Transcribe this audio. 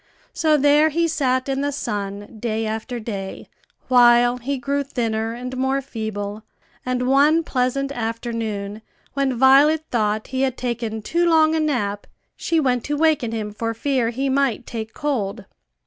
So there he sat in the sun day after day, while he grew thinner and more feeble; and one pleasant afternoon, when Violet thought he had taken too long a nap, she went to waken him for fear he might take cold.